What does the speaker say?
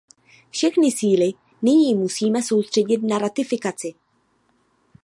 Všechny síly nyní musíme soustředit na ratifikaci.